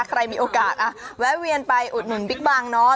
ใครมีโอกาสแวะเวียนไปอุดหนุนบิ๊กบังเนาะ